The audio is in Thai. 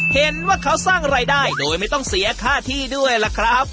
เห็นว่าเขาสร้างรายได้โดยไม่ต้องเสียค่าที่ด้วยล่ะครับ